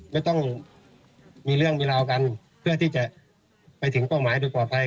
ไม่ต้องมีเรื่องมีราวกันเพื่อที่จะไปถึงเป้าหมายโดยปลอดภัย